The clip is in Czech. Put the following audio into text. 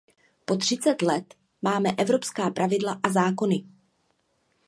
Po třicet let máme evropská pravidla a zákony.